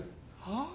ああ。